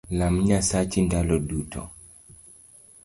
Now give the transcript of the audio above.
Lam Nyasachi ndalo duto